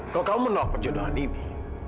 kau kamu menolak perjodohan ini